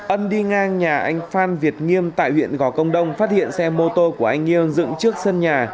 ân đi ngang nhà anh phan việt nghiêm tại huyện gò công đông phát hiện xe mô tô của anh nghiêng dựng trước sân nhà